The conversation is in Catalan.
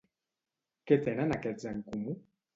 Què tenen aquests en comú?